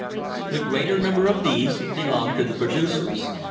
The greater number of these belonged to the producers.